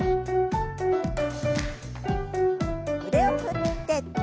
腕を振って。